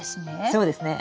そうですね。